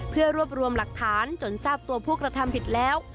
เพื่อรวบรวมหลักฐานจนทราบตัวผู้กระทำผิดแล้ว